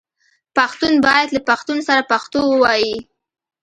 پښتون باید له پښتون سره پښتو ووايي